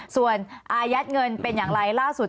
ส่วนอายัดเงินเป็นอย่างไรล่าสุด